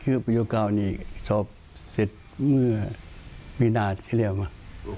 ชื่อประโยเก้านี่สอบเสร็จเมื่อมีนาที่เรียกว่า